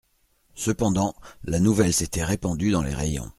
Cependant, la nouvelle s'était répandue dans les rayons.